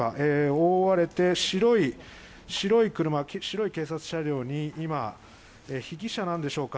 覆われて、白い警察車両に今、被疑者なんでしょうか。